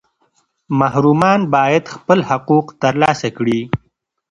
محرومان باید خپل حقوق ترلاسه کړي.